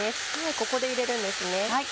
ここで入れるんですね。